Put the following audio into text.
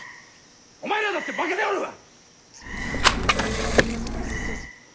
お前らだって負けておるわ！